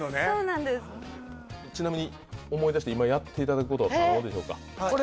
ちなみに思い出して今やっていただくことは可能でしょうか？